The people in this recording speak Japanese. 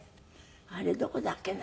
あれどこだっけな？